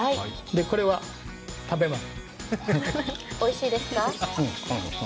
これは食べます。